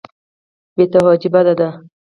بې توجهي بد دی.